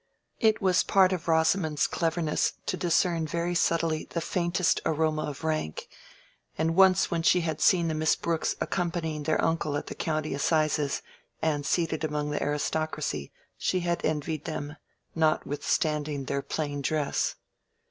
It was part of Rosamond's cleverness to discern very subtly the faintest aroma of rank, and once when she had seen the Miss Brookes accompanying their uncle at the county assizes, and seated among the aristocracy, she had envied them, notwithstanding their plain dress.